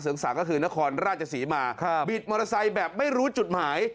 สังก็คือนครราชศรีมาบิดมอเตอร์ไซค์แบบไม่รู้จุดหมาย